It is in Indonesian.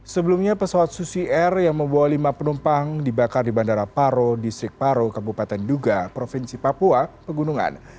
sebelumnya pesawat susi air yang membawa lima penumpang dibakar di bandara paro distrik paro kabupaten duga provinsi papua pegunungan